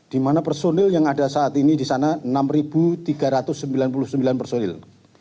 di mana personil yang ada saat ini di sana enam tiga ratus sembilan puluh sembilan personil